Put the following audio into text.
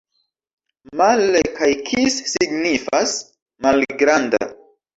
Male kaj kis signifas: malgranda.